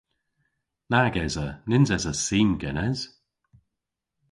Nag esa. Nyns esa sim genes.